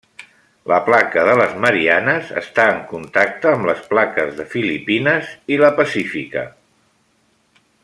La placa de les Mariannes està en contacte amb les plaques de Filipines i pacífica.